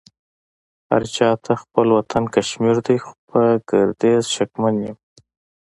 هرچا ته خپل وطن کشمير دې خو په ګرديز شکمن يم